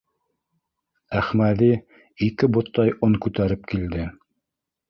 Әхмәҙи ике боттай он күтәреп килде.